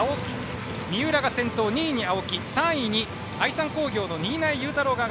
三浦が先頭、２位に青木３位に愛三工業の新家裕太郎。